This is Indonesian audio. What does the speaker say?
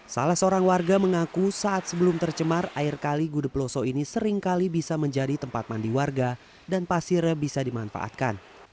salah seorang warga mengaku saat sebelum tercemar air kali gude peloso ini seringkali bisa menjadi tempat mandi warga dan pasirnya bisa dimanfaatkan